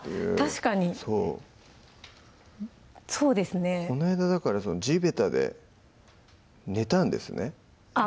確かにそうですねこないだだから地べたで寝たんですねあっ